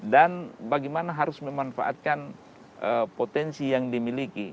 dan bagaimana harus memanfaatkan potensi yang dimiliki